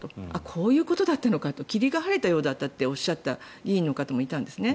こういうことだったのか霧が晴れたようだとおっしゃった議員の方もいたんですね。